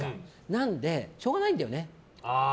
なので、しょうがないんだよね。